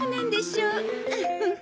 ウフフ。